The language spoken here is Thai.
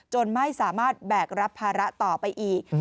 ไม่สามารถแบกรับภาระต่อไปอีก